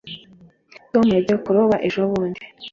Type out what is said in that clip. tom yagiye kuroba ejobundi